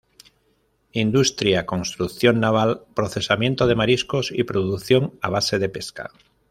Industria:construcción naval, procesamiento de mariscos y producción a base de pesca.